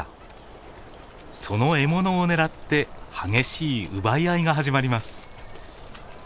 その獲物を狙って激しい奪い合いが始まります。